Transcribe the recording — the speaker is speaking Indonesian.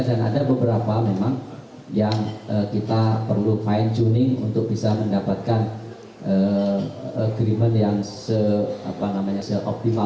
dan ada beberapa memang yang kita perlu fine tuning untuk bisa mendapatkan agreement yang seoptimal